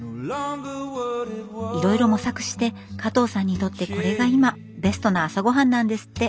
いろいろ模索して加藤さんにとってこれが今ベストな朝ごはんなんですって。